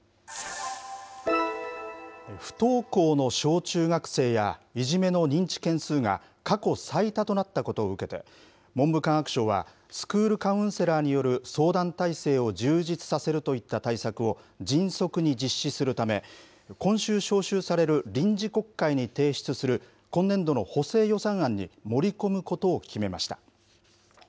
不登校の小中学生や、いじめの認知件数が過去最多となったことを受けて、文部科学省は、スクールカウンセラーによる相談体制を充実させるといった対策を迅速に実施するため、今週召集される臨時国会に提出する今年度の補正予算案に盛り込むことを決めました。